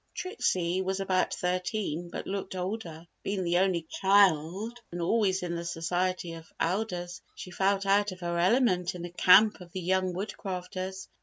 Trixie was about thirteen but looked older. Being the only child and always in the society of elders she felt out of her element in the camp of the young Woodcrafters.